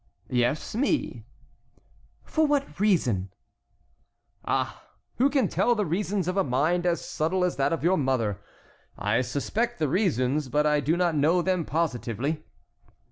"Yes, me." "For what reason?" "Ah, who can tell the reasons of a mind as subtle as that of your mother? I suspect the reasons, but I do not know them positively."